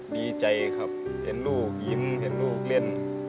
ดีใจครับเห็นลูกยิ้มเห็นลูกเล่น